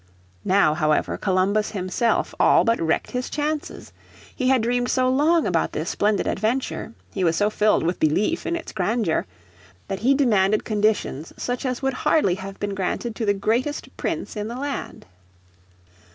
Now however Columbus himself all but wrecked his chances. He had dreamed so long about this splendid adventure, he was so filled with belief in its grandeur, that he demanded conditions such as would hardly have been granted to the greatest prince in the land.